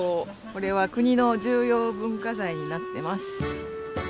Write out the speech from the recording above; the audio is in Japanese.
これは国の重要文化財になってます。